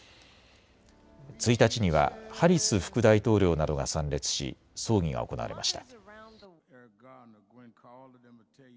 １日にはハリス副大統領などが参列し葬儀が行われました。